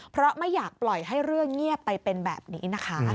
เพราะไม่อยากปล่อยให้เรื่องเงียบไปเป็นแบบนี้นะคะ